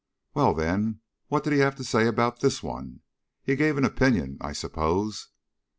"Well, then, what did he have to say about this one? He gave an opinion, I suppose?"